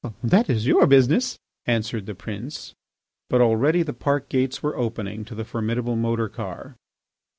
"That is your business," answered the prince. But already the park gates were opening to the formidable motor car.